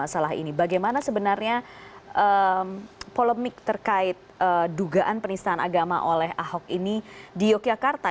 sebenarnya polemik terkait dugaan penistaan agama oleh ahok ini di yogyakarta